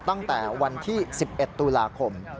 ตั้งแต่วันที่๑๑ตุลาคม